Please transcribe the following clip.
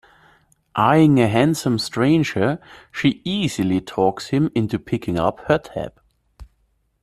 Eyeing a handsome stranger, she easily talks him into picking up her tab.